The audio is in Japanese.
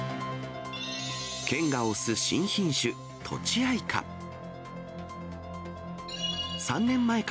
県が推す新品種、とちあいか。